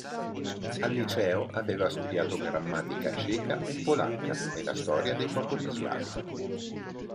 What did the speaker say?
Al liceo aveva studiato grammatica ceca e polacca e la storia dei popoli slavi.